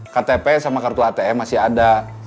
ktp sama kartu atm masih ada